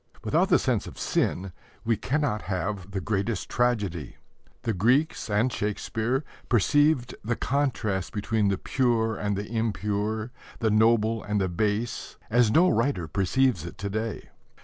Without the sense of sin we cannot have the greatest tragedy. The Greeks and Shakespeare perceived the contrast between the pure and the impure, the noble and the base, as no writer perceives it to day.